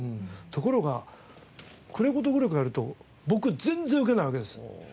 ところが「クロ子とグレ子」をやると僕全然ウケないわけですよ。